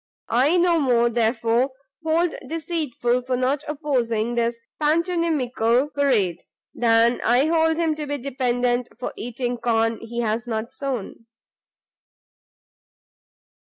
I no more, therefore, hold him deceitful for not opposing this pantomimical parade, than I hold him to be dependent for eating corn he has not sown."